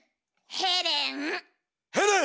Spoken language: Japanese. ヘレン！